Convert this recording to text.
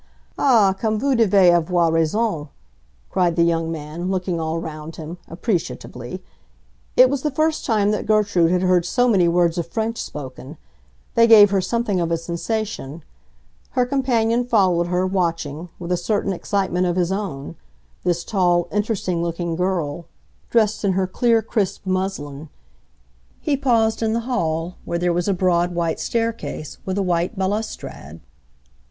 "Ah, comme vous devez avoir raison!" cried the young man, looking all round him, appreciatively. It was the first time that Gertrude had heard so many words of French spoken. They gave her something of a sensation. Her companion followed her, watching, with a certain excitement of his own, this tall, interesting looking girl, dressed in her clear, crisp muslin. He paused in the hall, where there was a broad white staircase with a white balustrade.